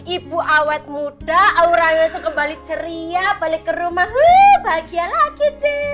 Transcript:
ibu awet muda aura yosu kembali ceria balik ke rumah bahagia lagi deh